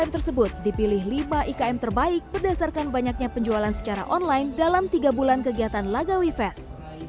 enam tersebut dipilih lima ikm terbaik berdasarkan banyaknya penjualan secara online dalam tiga bulan kegiatan lagawi fest